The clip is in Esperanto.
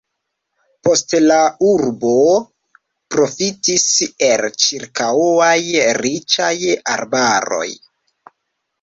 Poste la urbo profitis el ĉirkaŭaj riĉaj arbaroj.